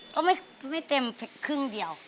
ก็ไม่เต็มครึ่งเดียว